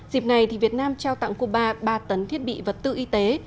dịp này việt nam trao tặng cuba ba tấn thiết bị vật tư y tế